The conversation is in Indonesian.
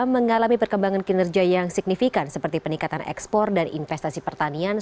mengalami perkembangan kinerja yang signifikan seperti peningkatan ekspor dan investasi pertanian